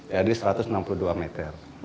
jadi satu ratus enam puluh dua meter